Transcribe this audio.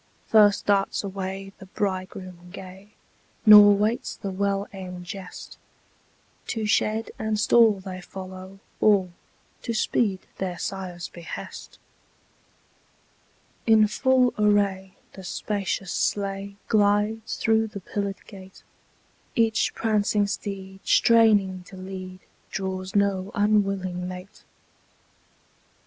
First darts away the bridegroom gay, Nor waits the well aimed jest: To shed and stall they follow, all, To speed their sire's behest. In full array, the spacious sleigh Glides through the pillared gate: Each prancing steed, straining to lead, Draws no unwilling mate.